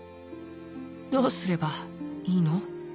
「どうすればいいの？」。